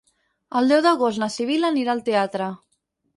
El deu d'agost na Sibil·la anirà al teatre.